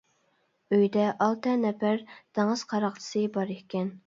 ئۆيدە ئالتە نەپەر دېڭىز قاراقچىسى بار ئىكەن.